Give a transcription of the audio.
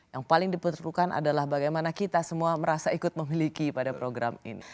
yang paling diperlukan adalah bagaimana kita semua merasa ikut memiliki pada program ini